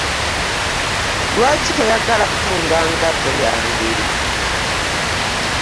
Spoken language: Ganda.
Lwaki toyagala kutunga ngatto yange?